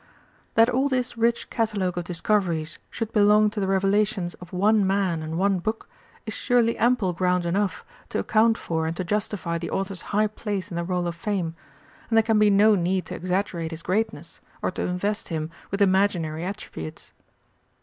That all this rich catalogue of discoveries should belong to the revelations of one Man and one Book is surely ample ground enough to account for and to justify the Author's high place in the roll of Fame, and there can be no need to exaggerate his greatness, or to invest him with imaginary attributes.